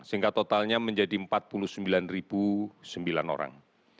sehingga totalnya menjadi empat puluh sembilan sembilan orang